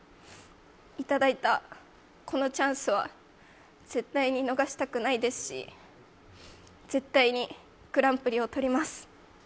いただいたこのチャンスは絶対に逃したくないですし絶対にグランプリを取ります。